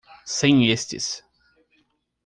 Sem estes